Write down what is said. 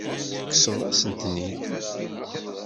Tekkseḍ-as-ten-id.